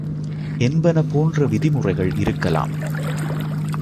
என்பன போன்ற விதிமுறைகள் இருக்கலாம்.